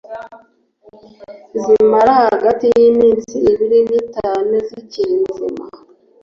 zimara hagati y'iminsi ibiri n'itanu zikiri nzima